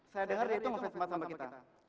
saya dengar itu mau sesempat sama kita